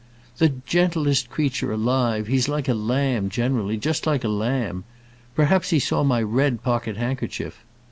"The gentlest creature alive; he's like a lamb generally just like a lamb. Perhaps he saw my red pocket handkerchief."